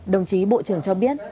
đồng chí bộ trưởng cho biết